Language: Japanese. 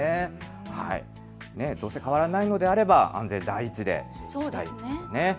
どうせ変わらないのであれば安全第一でいきたいですよね。